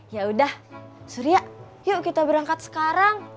yaudah surya yuk kita berangkat sekarang